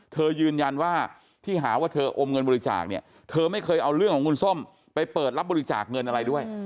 ยืนยันว่าที่หาว่าเธออมเงินบริจาคเนี่ยเธอไม่เคยเอาเรื่องของคุณส้มไปเปิดรับบริจาคเงินอะไรด้วย